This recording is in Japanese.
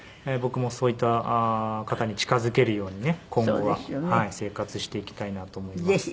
僕もそういった方に近づけるようにね今後は生活していきたいなと思います。